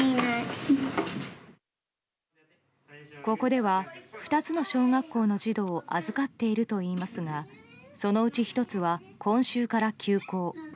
ここでは２つの小学校の児童を預かっているといいますがそのうち１つは、今週から休校。